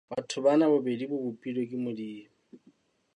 Batho bana bobedi ba bopilwe ke Modimo.